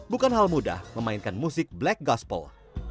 bukan hal mudah memainkan musik black gospel